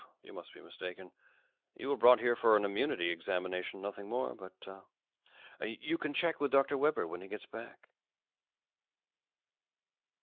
You must be mistaken. You were brought here for an immunity examination, nothing more. But you can check with Dr. Webber, when he gets back."